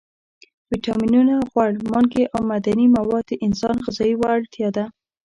ویټامینونه، غوړ، مالګې او معدني مواد د انسان غذایي اړتیا ده.